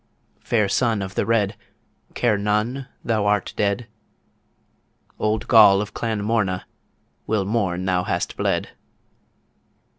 Fair Son of The Red, Care none thou art dead? Old Goll of Clan Morna Will mourn thou hast bled.